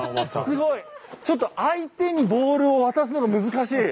すごいちょっと相手にボールを渡すのが難しい。